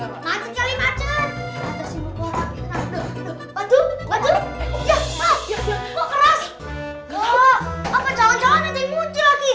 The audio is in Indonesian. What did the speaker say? apa jangan jangan ada yang muncul lagi